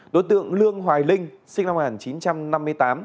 đối tượng lương hoài linh sinh năm một nghìn chín trăm năm mươi tám